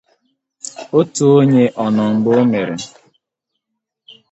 otu onye ọnọ mgbe o mèrè